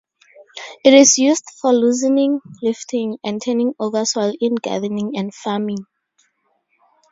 It is used for loosening, lifting and turning over soil in gardening and farming.